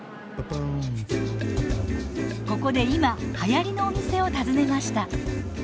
ここで今はやりのお店を訪ねました。